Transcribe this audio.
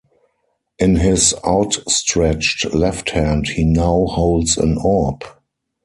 In his outstretched left hand he now holds an orb.